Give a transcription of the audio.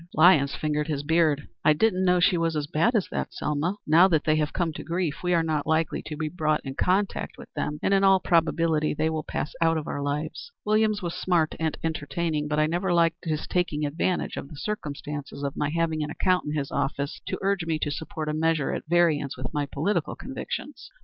Lyons fingered his beard. "I didn't know she was as bad as that, Selma. Now that they have come to grief, we are not likely to be brought in contact with them, and in all probability they will pass out of our lives. Williams was smart and entertaining, but I never liked his taking advantage of the circumstances of my having an account in his office to urge me to support a measure at variance with my political convictions."